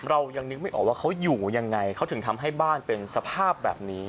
เรายังนึกไม่ออกว่าเขาอยู่ยังไงเขาถึงทำให้บ้านเป็นสภาพแบบนี้